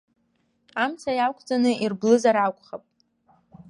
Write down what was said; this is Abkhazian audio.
Амца иақәҵаны ирблызар акәхап.